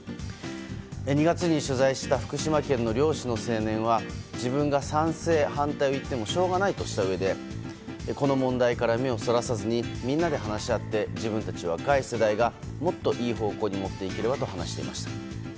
２月に取材した福島県の漁師の青年は自分が賛成・反対を言ってもしょうがないとしてこの問題から目をそらさずにみんなで話し合って自分たち若い世代がもっといい方向に持っていければと話していました。